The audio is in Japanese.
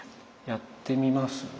やってみます？